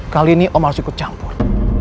kali ini om harus ikut campur